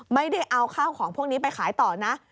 ไม่ได้เอาข้าวของพวกนี้ไปขายต่อนะ